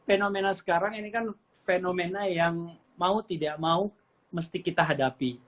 fenomena sekarang ini kan fenomena yang mau tidak mau mesti kita hadapi